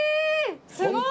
すごい！